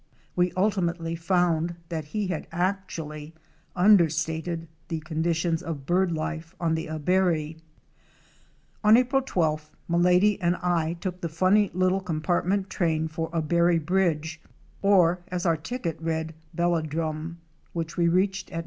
We ultimately found that he had actually understated the conditions of bird life on the Abary! On April 12th, Milady and I took the funny little compart ment train for Abary Bridge, or, as our ticket read, Bella drum, which we reached at 9.